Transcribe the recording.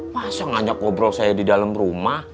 masa ngajak ngobrol saya di dalam rumah